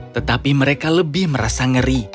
tetapi mereka lebih merasa ngeri